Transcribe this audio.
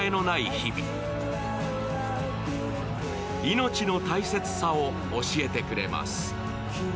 命の大切さを教えてくれます。